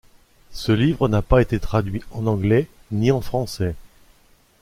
Ce livre n'a pas été traduit en anglais ni en français.